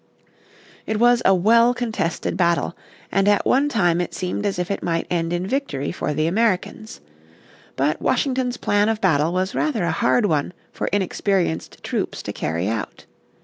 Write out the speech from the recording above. It was a well contested battle, and at one time it seemed as if it might end in victory for the Americans. But Washington's plan of battle was rather a hard one for inexperienced troops to carry out.